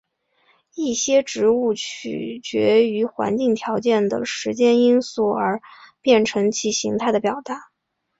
一些植物取决于环境条件的时间因素而改变其形态的表达。